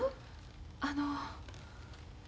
あの。